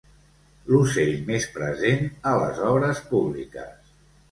L'ocell més present a les obres públiques.